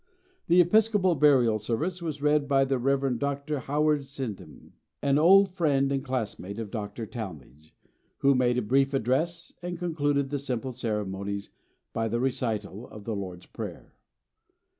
The Episcopal burial service was read by the Rev. Dr. Howard Suydam, an old friend and classmate of Dr. Talmage, who made a brief address, and concluded the simple ceremonies by the recital of the Lord's Prayer.